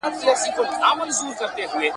په تعلیم یافته ټولنو کي باور زیات وي.